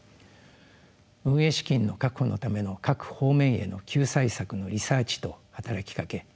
運営資金の確保のための各方面への救済策のリサーチと働きかけ